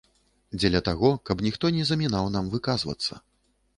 Дзеля таго, каб ніхто не замінаў нам выказвацца.